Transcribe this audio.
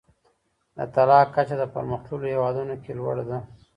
د طلاق کچه د پرمختللو هیوادونو کي لوړه ده.